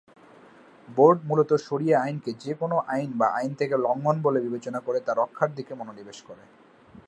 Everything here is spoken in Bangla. বোর্ড মূলত শরীয়াহ আইনকে যে কোনও আইন বা আইন থেকে লঙ্ঘন বলে বিবেচনা করে তা রক্ষা করার দিকে মনোনিবেশ করে।